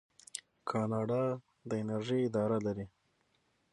کاناډا د انرژۍ اداره لري.